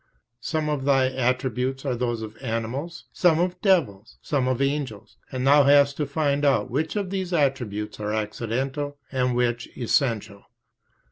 Some of thy attributes are those of animals, some of devils, and some of angels, and thou hast to find out which of these attributes are accidental and which essential.